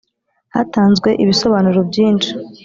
hatanzwe ibisobanuro byinshi.